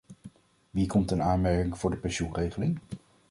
Wie komt in aanmerking voor de pensioenregeling?